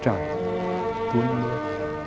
trời tuôn nước mắt